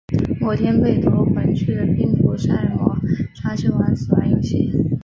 某天被夺魂锯的拼图杀人魔抓去玩死亡游戏。